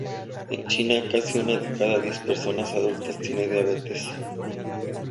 En China, casi una de cada diez personas adultas tiene diabetes.